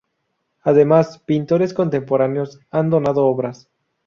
Además, pintores contemporáneos han donado obras.